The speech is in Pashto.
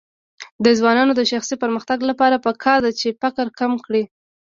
د ځوانانو د شخصي پرمختګ لپاره پکار ده چې فقر کم کړي.